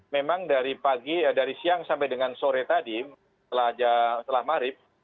memang dari siang sampai dengan sore tadi setelah marib